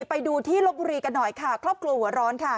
ไปดูที่ลบบุรีกันหน่อยค่ะครอบครัวหัวร้อนค่ะ